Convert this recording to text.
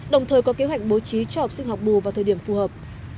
đồng thời có kế hoạch bố trí cho học sinh học bù vào thời điểm phù hợp